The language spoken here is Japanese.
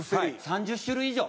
３０種類以上。